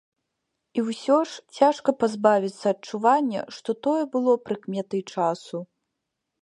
І ўсё ж, цяжка пазбавіцца адчування, што тое было прыкметай часу.